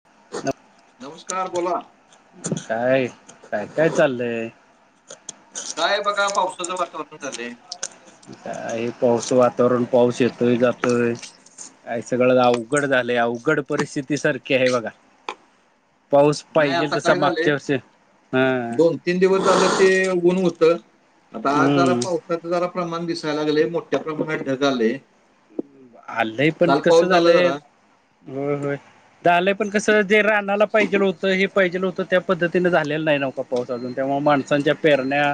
[unintelligible] नमस्कार बोला. काय काय काय चाललंय. काय बघा पावसाचं वातावरण झालंय. का हे पावस वातावरण पाऊस येतोय जातोय. काय सगळं अवघड झालंय अवघड परिस्थिती सारखी आहे बघा. पाऊस नाही पाहिजेल आता तसा काय झालंय मागच्यावर दोन तीन दिवस झालं ते ऊन होतं आता आज जरा हम्म पाऊ जरा प्रमाण दिसायला लागले मोठ्या प्रमाणात ढगालय. आलंय पण कस झालंय जरा होय होय झालंय पण कस जे रानाला पाहिजेल होत हे पाहिजेलं होतं त्या पद्धतीने झालेलं नाही नवका पाऊस अजून त्यामुळे माणसांच्या पेरण्या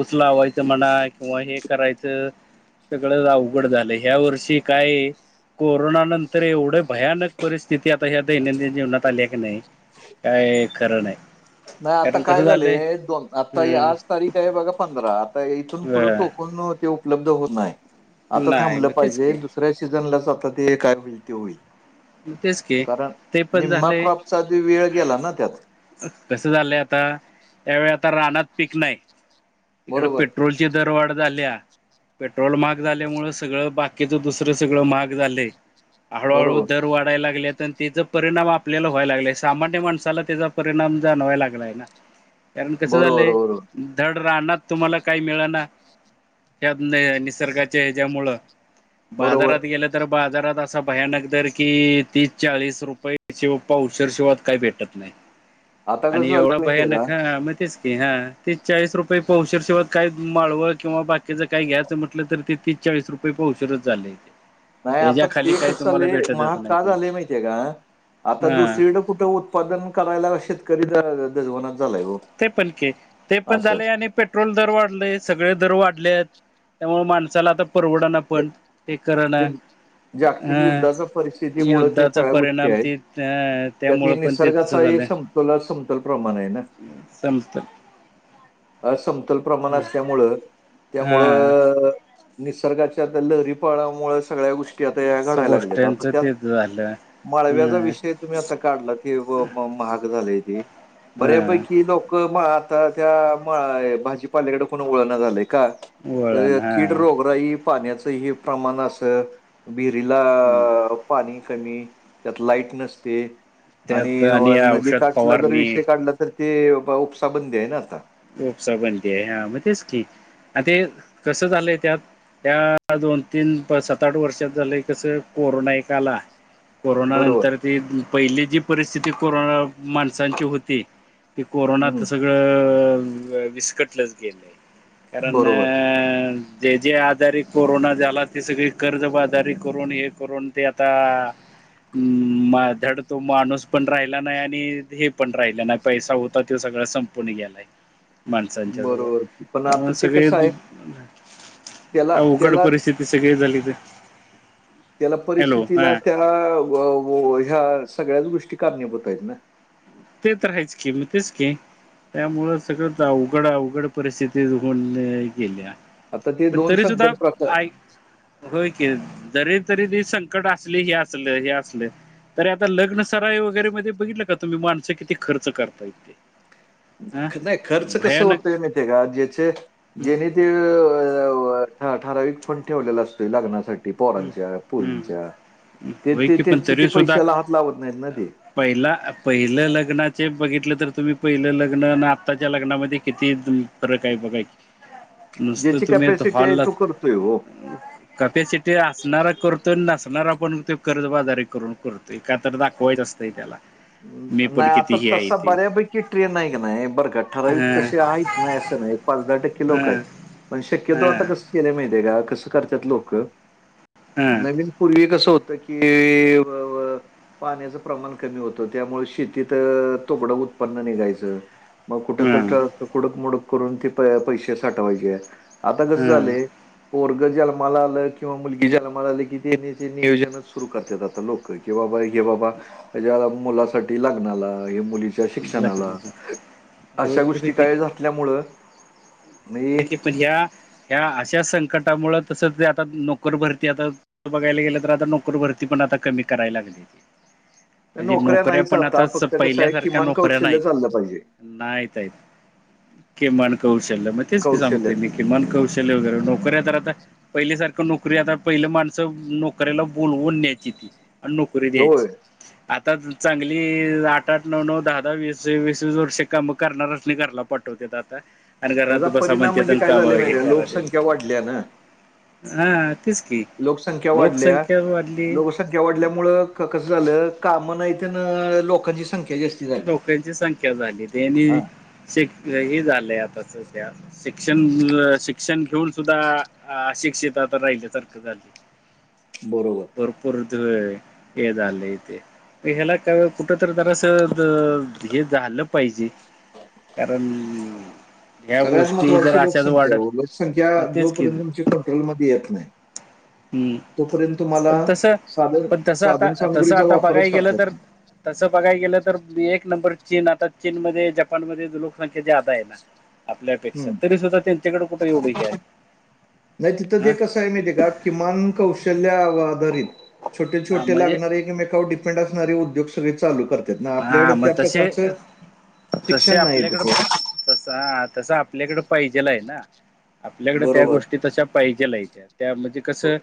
उस लावायचं म्हणा किंवा हे करायचं सगळं अवघड झालंय ह्या वर्षी काय? कोरोना नंतर एवढी भयानक परिस्थिती आता ह्या दैनंदिन जीवनात आल्या की नाही. काय खरं नाही. नाही आता कारण काय कसं झाले झालंय दोन आता हम्म आज तारीख आहे बघा पंधरा आता इथून पुढं अ टोकून तो उपलब्ध हो नाहीय आता नाही थांबलं मग तेच पाहिजे की दुसऱ्या सीझनलाच आता ते काय होईल ते होईल. तेच की कारण ते पण निम्मा झालंय क्रॉपचाधी वेळ गेला ना त्यात. कसं झालंय आता त्यावेळी आता राना पीक नाही इकड बरोबर पेट्रोल दरवाढ झाल्या. पेट्रोल महाग झाल्यामुळे सगळं बाकीच दुसरं सगळं महाग झालेय हळूहळू बरोबर आनायला ते लागले त्याचा परिणाम आपल्याला व्हाय लागला सामान्य माणसाला त्याचा परिणाम जाणवाय लागलाय ना. कारण कसं बरोबर झालंय बरोबर धड राहण्यात तुम्हाला काही मिळाना त्यात नि निसर्गाच्या ह्याच्यामुळ बरोबर बाजारात गेलं तर बाजारात असा भयानक दर कि तीस चाळीस रुपये शिव पाशर शिवात काही भेटत नाही. आता आणि कसं झालं एवढं माहितीये का भयानक मग तेच की ह तीस चाळीस रुपये पौशर शेवत काही माळवळ किंवा बाकीच काय घ्यायचं म्हटलं तर ते ती चाळीस रुपये पावशेरच झालेेय. नाही आता ते कस झालंय महाग का ते झाले माहिती आहे का आता हा दुसरी कुठं उत्पादन करायला शेतकरी जजवनात झालाय हो. ते पण की ते पण असं झाले आणि पेट्रोल दर वाढलेय सगळे दर वाढले त्यामुळे माणसाला आता परवड ना ते पण एक ते करना. जागतिक अ युद्धाच्या परिस्थितीमुळे ते युद्धाचा सगळ्या गोष्टी परिणाम आहेत ते अ त्यात त्यामुळं पण ते तसं निसर्गाचा हे स तुला समतल प्रमाण आहे ना. समस्त. अ समतोल प्रमाण असल्यामुळं हा त्यामुळं अ निसर्गाच्या लहरीपाळामुळे सगळ्या गोष्टी आता असं घडायला लागल्यात आता गोष्टांचं त्यात तेच झालं. मळव्याचा हम्म विषय तुम्ही आता काढला ते व व महाग झालय ते हम्म बऱ्यापैकी लोक म आता त्या म भाजीपाल्याकडे ओळण झालंय का त वळण कीड हा रोक राई पाण्याचंही प्रमाण असं विहिरीला आ पाणी कमी त्यात लाईट नसते. आणि त्यात नदी औषध काठला जर फवारणी विषय काढला तर ते उपसाबंदी आहे ना ते आता. उपसा बंदी आहे हा मग तेच की आ ते कसं झालंय त्यात त्या दोन तीन सात आठ वर्षात झालं कसं कोरोना एक आला. कोरोना बरोबर नंतर ती पहिली जी परिस्थिती कोरोना माणसांची होती. ते कोरोनात हम्म सगळं विस्कटलंच गेलंय. करण. बरोबर जे जे आजारी कोरोना झाला ते सगळे कर्जबाजारी करून हे करून ते आता आ हम् मा धड तो माणूस पण राहिला नाही आणि हे पण राहिला नाही पैसा होता तो सगळा स पून गेलाय. माणसांच्याजवळ बरोबर पण त्यामुळे आता ते कसं आहे त्याला सगळेवघड त्याला परिस्थिती ते सगळे झाले ते त्याला हॅलो परिस्थितीला हा त्या वा व ह्या सगळ्याच गोष्टी कारणी होत आहेत ना. ते तर हाच की म तेच की. त्यामु सगळं अवघड अवघड परिस्थिती होन गेल्या. आता ते पण दोन तरी संकट सुुद्धा प्रकार आई. होय की जरी तरी त संकट असली हे असले हे असले तर आता लग्न सराई वगैरे मध्ये बघितल का तुम्ही माणसं किती खर्च करताय ते हा नाही खर्च कसं भयानक होतय माहिती आहे का ज्याचे हम्म जेने ते अ अ अ व ठ ठराविक फंड ठेवलेला असतोय लग्नासाठी. पोरांच्या हम्म पोरींच्या हम्म ते होय ते की पण त्यांचे ते तरी पैशा सुद्धा ला हात लावत नाहीत ना ते पहिला पहिलं लग्नाचे बघितलं तर तुम्ही पहिलं लग्न ना आत्ताच्या लग्नामध्ये किती तुम्ही. खरं काही बघा की नुसत ज्याची तुम्ही कॅपॅसिटी आहे हॉलला तो करतोय हो कपॅसिटी ते असणार करतोय आणि नसणारा पण ते कर्जबाजारी करून करतोय का तर दाखवायच असतंय त्याला ते मी अं, पण नाही किती आता हे आहे तसा बऱ्यापैकी ट्रेन आहे का नाही बर का ठराविक ह तसे आहेत नाही असं नाही पाच दहा टक्के लोक आहेत ह पण शक्यतो आता कस हे केलंय माहीत आहे का कस करतात लोक ह नवीन पूर्वी कसं होतं की पाण्याचं प्रमाण कमी होतं त्यामुळे शेतीत तुकडं उत्पन्न निघायचं मग कुठ ह तर कुडक मुडक करून ते पैसे साठवायचे आता कसं झाले पोर्ग जन्माला आलं किंवा मुलगी ज्माला आलं की ते ते नियोजनच सुरू करतात आता लोक बा हे बाबा त्या मुलासाठी लागणार मुली शिक्षणाला अशा गोष्टी कायल्यामु ठीक आहे पण ह्या ह्या अशा संकटामुळे तसं ते आता नोकर भरती आता तस बघायला गेलं तर आता नोकर भरती पण आता कमी करायला लागली. म्हणजे नोकऱ्या नाहीच पण आता फक्त कसं आहे पहिल्यासारख्या किमान नोकऱ्या कौशल्य नाहीत. चाललं पाहिजे नाहीत आहेत किमान कौशल्य मग तेची कौशल्य सांगतोय मी. किमान कौशल्य वगैरे नोकऱ्या तर आता. पहिल्यासारखं नोकरी आता पहिलं माणसं नोकऱ्याला बोलवून न्यायची ती. अन नोकरी होय द्यायचं. आता चांगली आठ आठ नऊ नऊ दहा दहा वीस वीस वीस वर्षे काम करणाऱ्यासनी घरला पाठवट्यात. पाठवट्यात आता आणि त्याचा घरात बसा परिणाम म्हणेत म्हणजे काय काम झालंय हे माहिती आहे? करा ते. लोकसंख्या वाढल्या ना हा तेच की लोकसंख्या वाढल्या लोकसंख्या वाढली. लोकसंख्या वाढल्यामुळ कसं झालं काम नाहीत आणि लोकांची संख्या जास्ती. झाली लोकाची संख्या झाली तेनी हा श हे झालंय आता सध्या. शिक्षण शिक्षण घेऊन सुद्धा अशिक्षित आता राहिल्या सारख झालय. बरोबर. भरपूर द ये झाले तेे. ह्याला काय कुठ तर जरास हे झालं पाहिजे. कारण. ह्या सगळ्यात गोष्टी जर महत्त्वाची अशाच लोकसंख्या आहे ओ वाढत लोकसंख्या तेच की जोपर्यंत तुमची कंट्रोलमध्येध्ये येत नाही. हम्म तोपर्यंत तुम्हाला पण तसं साध पण तसं आता साधन तसं सामग्रीचा आता वापरच बघाय गेलं करता तर येत नाही. तसं बघाय गेलं तर एक नंबर चीन आता चीन मध्ये जपानमध्ये लोकसंख्या ज्यादा आहेत. नाही आपल्यापेक्षा हम्म. तरी सुद्धा त्यांच्याकडे कुठे एवढं हे आहे हा. कसाय माहीत आहे का किमान कौशल्या आधारित छोटे हा छोटे म्हणजे लागणारे हे एकमेकांवर डिफेन्ड. असणारे उद्योग सगळे चालू करा. ना हा आपल्याकडे मग त्या तसे प्रकारचं तसे शिक्षण नाही. आपल्याकडं तस तसं आपल्याकडं पाहिजेल आहे ना आपल्याकड त्या बरोबर गोष्टी तशा पाहिजेल आहेत्या. त्या म्हणजे ब- कसं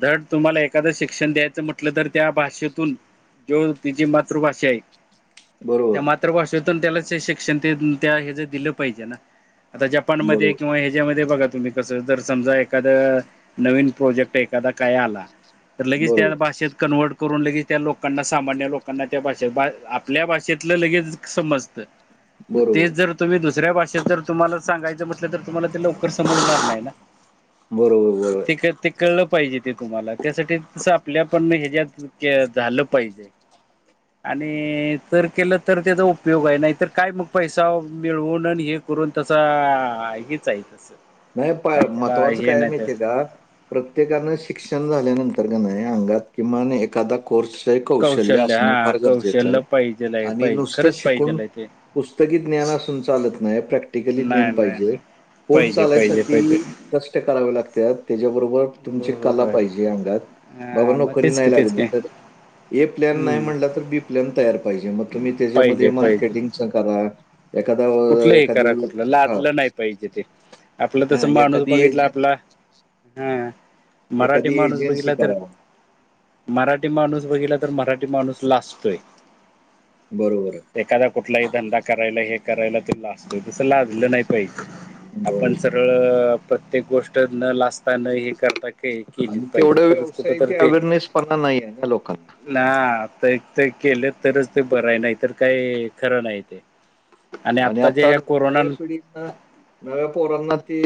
दड. तुम्हाला एखादं शिक्षण द्यायचं म्हटलं तर त्या भाषेतून जो तिची मातृभाषा आहे. त्या बरोबर मातृभाषेतून त्यालाच शिक्षण त्या ह्याच दिलं पाहिजे ना. आता जपानमध्ये बरोबर किंवा ह्याच्यामध्ये बघा तुम्ही. कस जर समजा एखाद नवीन प्रोजेक्ट एखादा काय आला. तर लगेच त्या बरोबर भाषेत कनवर्ट करून लगेच त्या लोकांना सामान्य लोकांना त्या भाषेत. आपल्या भाषेतलं लगेच समजत मग तेच बरोबर जर. तुम्ही दुसऱ्या भाषेत जर तुम्हाला सांगायचं म्हटलं तर तुम्हाला ते लवकर समजणार नाही ना. बरोबर बरोबर ते काय ते. कळलं पाहिजे ते तुम्हाला त्यासाठी तस आपल्या पण ह्याच्यात झालं पाहिजे आणि तर केलं तर त्याचा उपयोग आहे नाहीतर काय मग पैसा मिळवून आणि हे करून तसं आ हीच आहे तसं नाही प काही त्याला महत्वाचं हे काय नाही ते माहिती आहे का प्रत्येकानं शिक्षण झाल्यानंतर अंगात किमान एखादा कोर्स हे कौशल्य असणं हा फार गरजेचं कौशल्य आहे पाहिजेल आहे आणि पाहिजे नुसतं खरंच शिकून पाहिजेल आहे ते पुस्तकी ज्ञान असून चालत नाही प्रॅक्टिकली ज्ञान नाही नाही पाहिजे नाही पोट पाहिजे पाहिजे पाहिजे चालायसाठी कष्ट करावे लागतात त्याच्याबरोबर तुमची हो हो कला होय पाहिजे अंगात बाबा हा मग नोकरी तेच नाही की तेच लागली की तर ए प्लॅन नाही हम्म म्हणला तर बी प्लॅन तयार पाहिजे मग तुम्ही पाहिजे त्याच्यामध्ये पाहिजे मार्केटिंगच करा एखादा एखादी हा जे ते आपलं तस माणूस बघितलं एजन आपला हा मराठी एखादी माणूस एजन्सी बघितला तर करा. मराठी माणूस बघितला तर मराठी माणूस लाजतोय बरोबर आहे एखादा कुठलाही धंदा करायला हे करायला तो लाजते तसं लाजलं नाही आपण बरोबर. सगळ प्रत्येक गोष्ट न लाजता न हे करता काही केली आणि पाहिजे तेवढं तरच कुठ तररी व्यवसायाची ते अवेअरनेसपणा नाही आहे ना लोकांना ना आता एक ते केलं तरच ते बरंय नाही तर काही खरं नाही ते आणि जे आता ह्या कोरोना नव्या पिढी नव्या पोरांना ते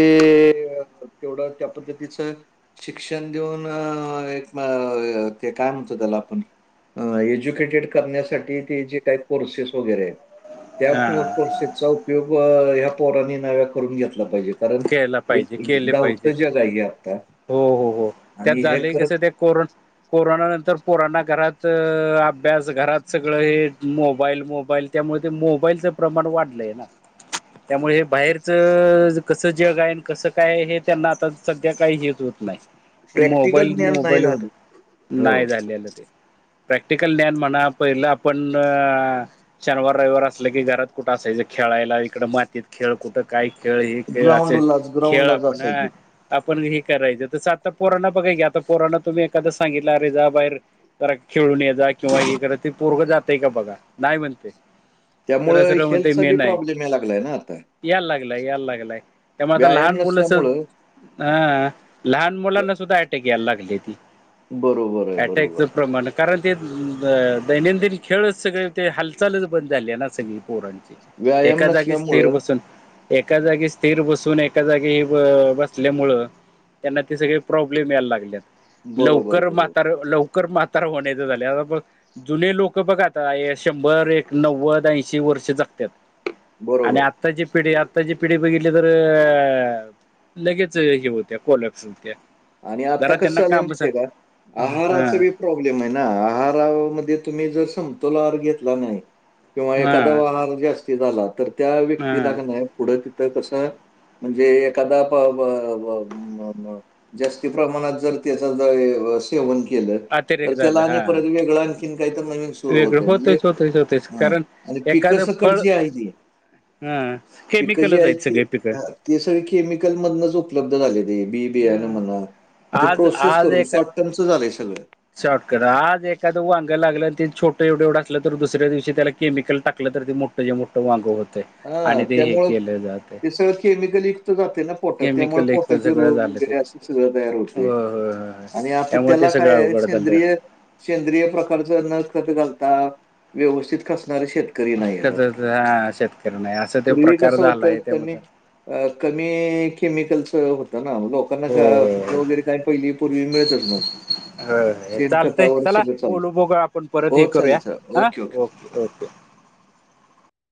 तेवढं त्या पद्धतीचं शिक्षण देऊन एक ते काय म्हणतो त्याला आपण एज्युकेटेड करण्यासाठी ते जे काही कोर्सेस वगैरे आहेत हा त्याचा उपयोग ह्या पोरनी नव्या करून घेत पाहिजे कारण केला पाहिजे एक केले पाहिजे धावतं जग आहे आता हो हो हो त्यात आणि हे झालं कसं करत ते कोरोना कोरोना नंतर पोराना घरात अभ्यास घरात सगळं हे मोबाईल मोबाईल त्यामुळे ते मोबाईलचं प्रमाण वाढलंय ना त्यामुळे हे बाहेरच कसं जग आहे कसं काय हे त्यांना आता सध्या काही हे हो नाही प्रॅक्टिकल मोबाईल ज्ञान नाही मोबाईलवर झालं हो नाही झालेलं ते प्रॅक्टिकल ज्ञान म्हणा पहिलं आपण शनिवार रविवार असलं की घरात कुठं असायचं खेळायला इकडं मातीत खेळ कुठं काय खेळ ह खेळ अस अस ग्राउंडलाच खेळ ग्राउंडलाच आपण असायचे ह आपण हे करायचं तसं आता पोरांना बघाय आता पुराना तुम्ही एखाददा सांगितलं अरे जा बाहेर जरा खेळून ये जा किंवा हे कर ते पोरग जात आहे का बघा नाही म्हणते सरळ त्यामुळे सरळ म्हणते हेल्थचा मी बी नाही प्रॉब्लेम हे लागलाय ना आता यायला लागलाय यायला लागलाय त्यामुळे आता व्यायाम लहान मुलंच नसल्यामुळं हा लहान मुलांना सुद्धा अटेक यायला लागली ती बरोबर आहे बरोबर अटॅकच प्रमाण कारण ते दैनंदिन खेळच सगळे ते हालचालच बंद झाली आहे ना सगळी पोरांची व्यायाम एका जागी स्थिर नसल्यामुळं बसून एका जागी स्थिर बसून एका जागी बसल्यामुळं त्यांना ते सगळे प्रॉब्लेम यायला लागलेत बरोबर लवकर बरोबर म्हातार लवकर म्हातार तर होण्याच झाले आता तर जुने लोक बघ आता शंभर एक नव्वद ऐंशी वर्ष जगतात आणि बरोबर आता आताची पिढी आत्ताची पिढी बघितली तर अ लगेच हे होत्या ख सुध्या आणि आता कसं आलं मी ते का हा आहाराच प्रॉब्लेम आहे ना आहारामध्ये तुम्ही जर समतोल आहार घेतला नाही किंवा हा एखादा वाहार जे असती झाला तर त्या व्यक्तीला हा क नाही. पुढं तिथं कसं म्हणजे एखादा जास्ती प्रमाणात जर त्याच सेवन केलं तर अतिरेक त्याला झालं आणि हा परग वेगळं आणखीन काही तर नवीन सुरू वेगळं होते म्हणजे होतच होतच होतच हां. कारण आणि पिका सकडची आहे ती. हा पिकं जी केमिकलच आहेत ती सगळे पिक. ते सगळं केमिकल मधनच उपलब्ध झालेती बी बीयान पिकं म्हणा ते आज प्रोसेस आज करून एका शॉर्ट टर्मच झालंय सगळं. शॉर्टकट आज एखादं वांग लागलं आणि ते छोटं एवढं एवढं असलं तर दुसऱ्या दिवशी त्याला केमिकल टाकलं तर ते मो लगे मोठं वांग होतय. हा त्यामुळ ते सगळं केमिकल विकत जाते ना पोटात त्यामुळे केमिकल एक पोटा तर ग सगळं झालं ते वगरे अस स तयार हो होय होय होय होय आणि त्यामुळे ते त्याला सगळं काय अवघड झालतं. सेंद्रिय सेंद्रिय प्रकारच न खत घालता व्यवस्थित खासणारे शेत क हा शेतकऱ्यां नाही. पूर्वी कसं होतं त्यांनी कमी केमिकलच होत ना लो. लोकांना होय होय वगैरे काही पहिली पूर्वी मिळतच न होय होय चेन चालतंय करतावर चला सगळ चालेल बोलू बघू आपण परत हो हे चालेल करूया चा हा ओके ओके. ओके